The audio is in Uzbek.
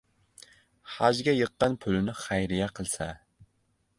Hajga yiqqan pulini xayriya qilsa...